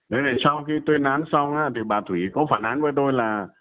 để sau khi tuyên án xong thì bà thủy có phản án với tôi là